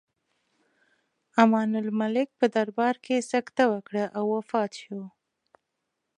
امان الملک په دربار کې سکته وکړه او وفات شو.